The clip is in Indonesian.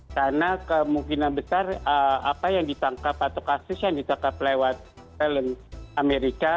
karena kemungkinan besar apa yang ditangkap atau kasus yang ditangkap lewat amerika